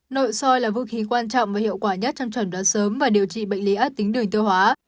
nội soi là vũ khí quan trọng và hiệu quả nhất trong trần đoán sớm và điều trị bệnh lý ác tính đường tiêu hóa